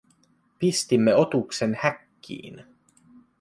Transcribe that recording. Pistimme otuksen häkkiin.